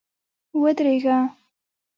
ودرېږه!